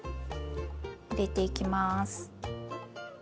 入れていきます。